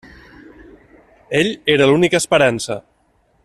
Ell era l'única esperança.